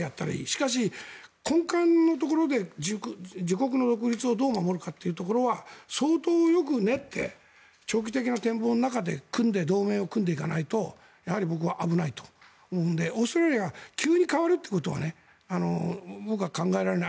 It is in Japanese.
しかし、根幹のところで自国の独立をどう守るかというところは相当よく練って長期的な展望の中で同盟を組んでいかないと僕は危ないと思うのでオーストラリアが急に変わるということは僕は考えられない。